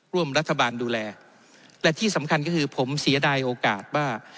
ร่วมรัฐบาลดูแลและที่สำคัญก็คือผมเสียดายโอกาสว่า